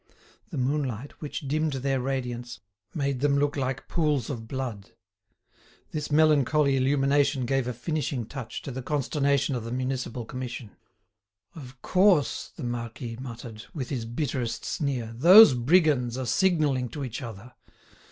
The moonlight, which dimmed their radiance, made them look like pools of blood. This melancholy illumination gave a finishing touch to the consternation of the Municipal Commission. "Of course!" the marquis muttered, with his bitterest sneer, "those brigands are signalling to each other."